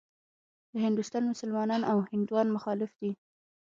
د هندوستان مسلمانان او هندوان مخالف دي.